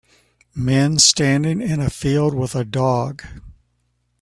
Men standing in a field with a dog.